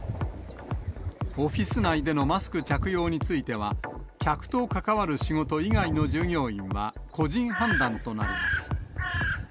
オフィス内でのマスク着用については、客と関わる仕事以外の従業員は、個人判断となります。